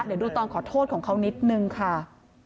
เดี๋ยวดูตอนขอโทษของเขานิดนึงค่ะ